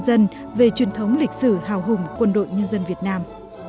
dân về truyền thống lịch sử hào hùng quân đội nhân dân việt nam